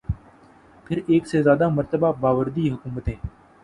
پھر ایک سے زیادہ مرتبہ باوردی حکومتیں۔